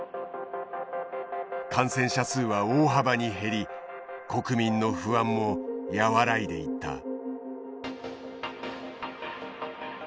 感染者数は大幅に減り国民の不安も和らいでいった。